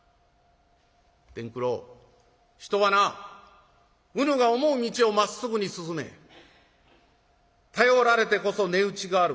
「伝九郎人はなうぬが思う道をまっすぐに進め。頼られてこそ値打ちがある。